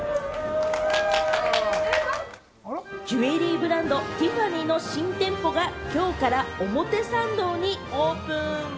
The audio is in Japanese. ジュエリーブランド、ティファニーの新店舗がきょうから表参道にオープン。